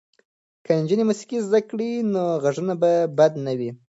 که نجونې موسیقي زده کړي نو غږونه به بد نه وي.